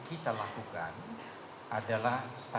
itemnya adalah saya